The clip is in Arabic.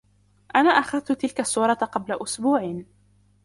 أنا أخذت تلك الصورة قبل إسبوع.